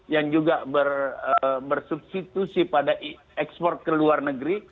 yang juga bersubstitusi pada ekspor ke luar negeri